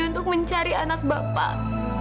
untuk mencari anak bapak